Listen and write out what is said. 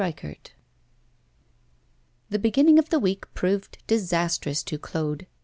III THE beginning of the week proved disastrous to Claude.